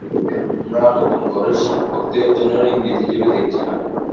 তবে এটাকে আমরা নতুন করে শক্তি অর্জনের ইঙ্গিত হিসেবে দেখছি না।